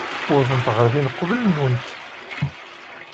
Uwḍent ɣer din uqbel-nwent.